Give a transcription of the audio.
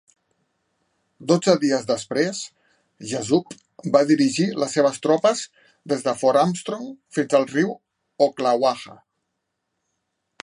Dotze dies després, Jesup va dirigir les seves tropes des de Fort Armstrong fins al riu Ocklawaha.